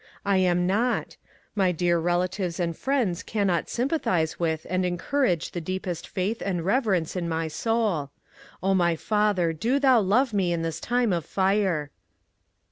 I am not. My dear relatives and friends cannot sym 126 MONCURE DANIEL CONWAY pathize with and encourage the deepest faith and reverence in my soul. O my Father, do thou love me in this time of fire.